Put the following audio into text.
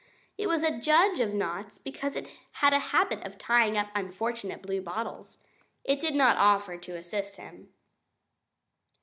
It was a judge of knots because it had a habit of tying up unfortunate bluebottles. It did not offer to assist him.